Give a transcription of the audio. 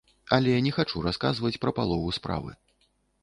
Але не хачу расказваць пра палову справы.